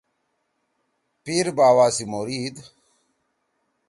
پیرباوا سی مُریِد۔